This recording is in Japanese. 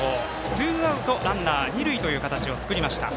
ツーアウト、ランナー、二塁という形を作りました。